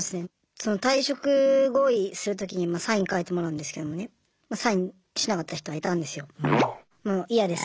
その退職合意する時にサイン書いてもらうんですけどねサインしなかった人はいたんですよ。